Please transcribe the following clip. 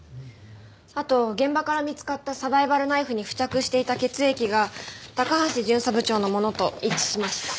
あと現場から見つかったサバイバルナイフに付着していた血液が高橋巡査部長のものと一致しました。